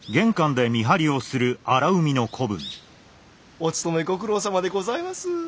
お勤めご苦労さまでございます。